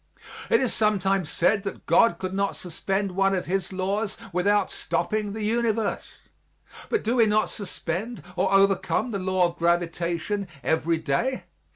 It is sometimes said that God could not suspend one of His laws without stopping the universe, but do we not suspend or overcome the law of gravitation every day?